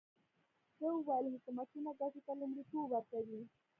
ده وویل حکومتونه ګټو ته لومړیتوب ورکوي.